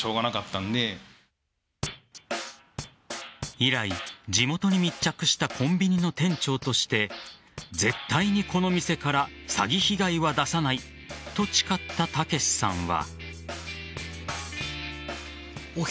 以来、地元に密着したコンビニの店長として絶対にこの店から詐欺被害は出さないと誓った剛さんは。